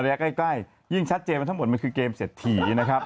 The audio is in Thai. ใกล้ยิ่งชัดเจนว่าทั้งหมดมันคือเกมเศรษฐีนะครับ